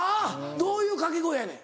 どういう掛け声やねん？